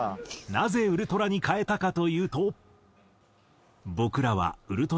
なぜ「ウルトラ」に変えたかというと。